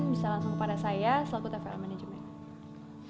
bisa langsung kepada saya selaku tvl management